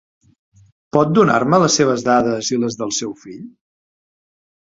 Pot donar-me les seves dades i les del seu fill?